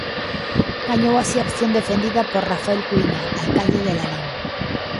Gañou así a opción defendida por Rafael Cuíña, alcalde de Lalín.